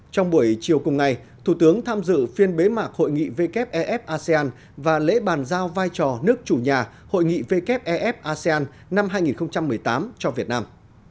trong buổi chiều cùng ngày thủ tướng tham dự phiên bế mạc hội nghị wef asean và lễ bàn giao vai trò nước chủ nhà hội nghị wef asean năm hai nghìn một mươi tám cho việt nam